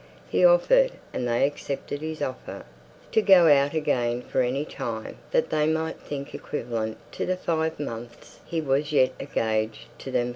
He offered, and they accepted his offer, to go out again for any time that they might think equivalent to the five months he was yet engaged to them for.